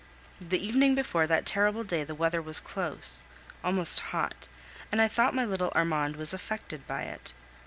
The evening before that terrible day the weather was close, almost hot, and I thought my little Armand was affected by it.